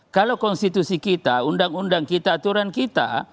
kalau konstitusi kita undang undang kita aturan kita